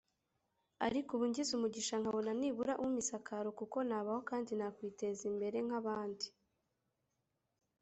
ariko ubu ngize umugisha nkabona nibura umpa isakaro kuko nabaho kandi nakwiteza imbere nk’abandi